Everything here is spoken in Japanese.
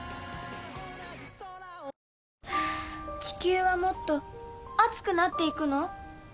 地球はもっと熱くなっていくの？